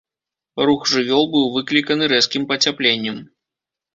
Рух жывёл быў выкліканы рэзкім пацяпленнем.